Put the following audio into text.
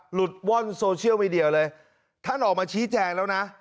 หลุดว่อนโซเชียลมีเดียเลยท่านออกมาชี้แจงแล้วนะ